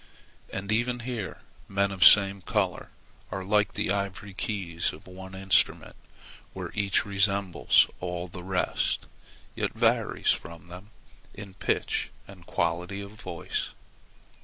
And even here men of the same color are like the ivory keys of one instrument where each resembles all the rest, yet varies from them in pitch and quality of voice.